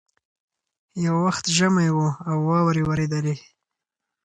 یو وخت ژمی وو او واوري اورېدلې